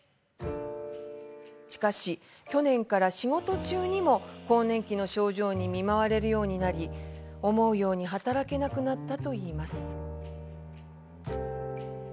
しかし、去年から仕事中にも更年期の症状に見舞われるようになり思うように働けなくなったと言います。